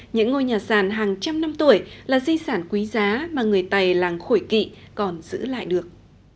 những ngôi nhà sàn hàng trăm năm tuổi là di sản quý giá mà người tày làng khổi kỵ còn giữ lại được